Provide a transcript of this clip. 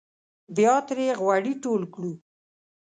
بیا ترې غوړي ټول کړو.